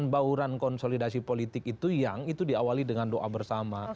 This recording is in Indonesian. bauran konsolidasi politik itu yang itu diawali dengan doa bersama